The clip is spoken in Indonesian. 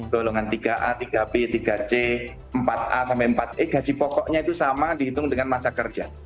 golongan tiga a tiga b tiga c empat a sampai empat e gaji pokoknya itu sama dihitung dengan masa kerja